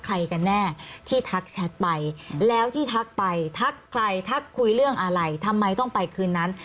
ใครกันแน่ที่ทักแชทไปแล้วที่ทักไปทักใครทักคุยเรื่องอะไรทำไมต้องไปคืนนั้น